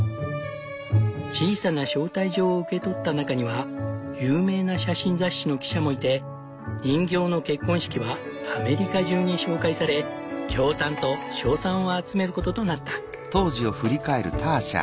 小さな招待状を受け取った中には有名な写真雑誌の記者もいて人形の結婚式はアメリカ中に紹介され驚嘆と称賛を集めることとなった。